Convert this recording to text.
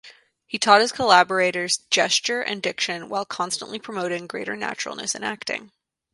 He taught his collaborators gesture and diction while constantly promoting greater naturalness in acting.